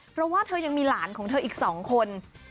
เพราะว่าเธอยังมีหลานของเธออีก๒คน